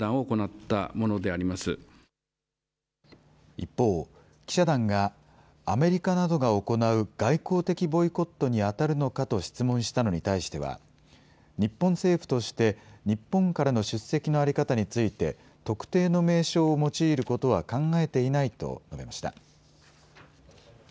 一方、記者団が、アメリカなどが行う外交的ボイコットに当たるのかと質問したのに対しては、日本政府として、日本からの出席の在り方について、特定の名称を用いることは考えていないと述べました。